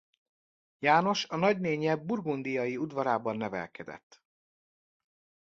János a nagynénje burgundiai udvarában nevelkedett.